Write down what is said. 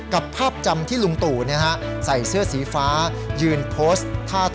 กับภาพจำที่ลุงตู่เนี้ยฮะใส่เสื้อสีฟ้ายืนโพสต์ท่าถ่ายรูป